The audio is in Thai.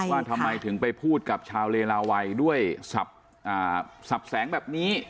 ว่าทำไมถึงไปพูดกับชาวเลลาวัยด้วยสับแสงแบบนี้